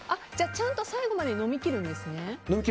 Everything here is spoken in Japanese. ちゃんと最後まで飲み切るんですね。